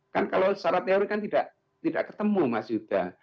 kan kalau secara teori kan tidak ketemu mas yuda